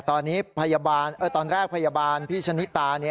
ตอนนี้พยาบาลตอนแรกพยาบาลพี่ชะนิตา